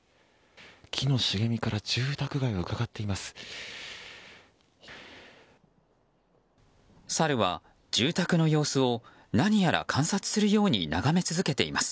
木の茂みから住宅街をうかがっています。